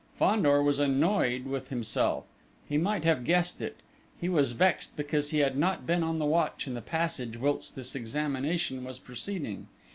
Fandor was annoyed with himself: he might have guessed it! He was vexed because he had not been on the watch in the passage whilst this examination was proceeding.